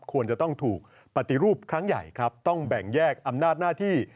ควรจะต้องถูกปฏิรูปครั้งใหญ่ครับต้องแบ่งแยกอำนาจหน้าที่